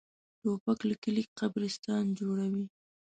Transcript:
توپک له کلي قبرستان جوړوي.